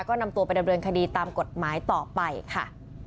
ก็นำตัวไปดำเนินคดีตามกฎหมายต่อไปค่ะ